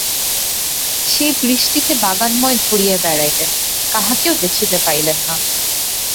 সেই বৃষ্টিতে বাগানময় ঘুরিয়া বেড়াইলেন, কাহাকেও দেখিতে পাইলেন না।